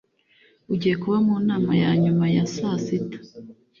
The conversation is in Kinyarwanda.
ugiye kuba mu nama ya nyuma ya saa sita